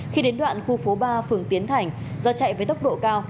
khi đến đoạn khu phố ba phường tiến thành do chạy với tốc độ cao